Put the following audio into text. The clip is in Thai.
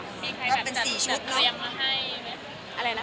มีใครจัดเตรียมให้